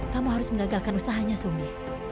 kamu harus mengagalkan usahanya sumi